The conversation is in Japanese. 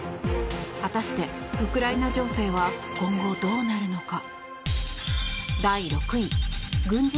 果たして、ウクライナ情勢は今後どうなるのか。